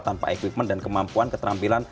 tanpa equipment dan kemampuan keterampilan